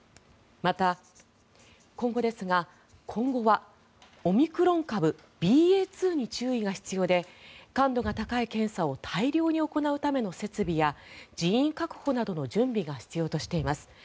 また、今後ですがオミクロン株ＢＡ．２に注意が必要で、感度が高い検査を大量に行うための設備や人員確保などの準備が必要としています。